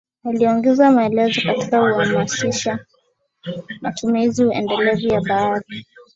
Aliongeza maelezo katika kuhamasisha matumizi endelevu ya bahari